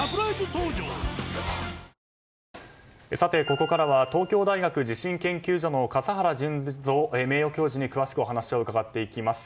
ここからは東京大学地震研究所の笠原順三名誉教授に詳しくお話を伺っていきます。